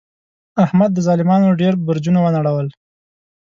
احمد د ظالمانو ډېر برجونه و نړول.